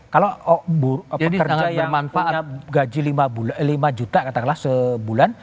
kalau pekerja yang punya gaji lima juta katakanlah sebulan